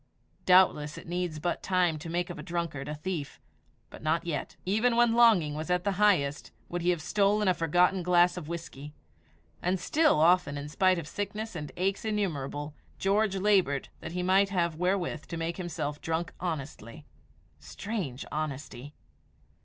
Doubtless it needs but time to make of a drunkard a thief, but not yet, even when longing was at the highest, would he have stolen a forgotten glass of whisky; and still, often in spite of sickness and aches innumerable, George laboured that he might have wherewith to make himself drunk honestly. Strange honesty!